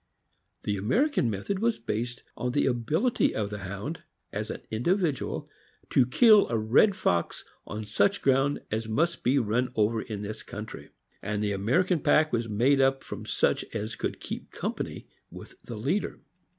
The American method was based on the ability of the Hound, as an individual, to kill a red fox on such ground as must be run over in this coun THE FOXHOUND. 191 try; and the American pack was made up from such as could keep company with the leader.